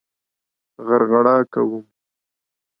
غرغړه کوم.